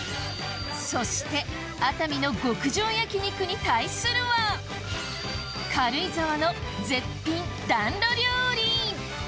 そして熱海の極上焼肉に対するは軽井沢の絶品暖炉料理！